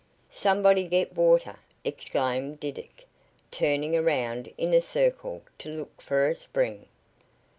"Somebody get water!" exclaimed Diddick, turning around in a circle to look for a spring.